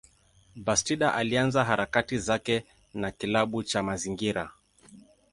Bastida alianza harakati zake na kilabu cha mazingira.